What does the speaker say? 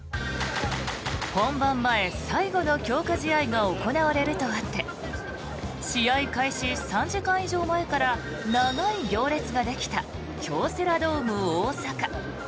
本番前、最後の強化試合が行われるとあって試合開始３時間以上前から長い行列ができた京セラドーム大阪。